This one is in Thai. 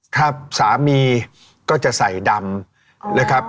ถ้าสามีก็จะใส่ดำนะครับ